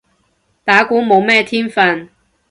打鼓冇咩天份